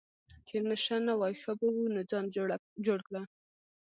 چې نشه نه وای ښه به وو، نو ځان جوړ کړه.